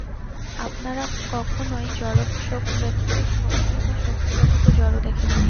আপনারা কখনই জড় ব্যতীত শক্তি বা শক্তি ব্যতীত জড় দেখেন নাই।